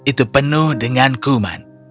itu penuh dengan kuman